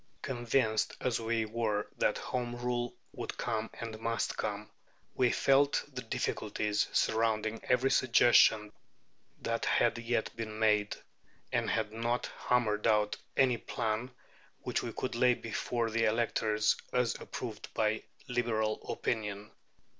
Convinced as we were that Home Rule would come and must come, we felt the difficulties surrounding every suggestion that had yet been made, and had not hammered out any plan which we could lay before the electors as approved by Liberal opinion.